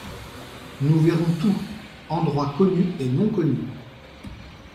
Nous verrons tout, endroits connus et non connus ;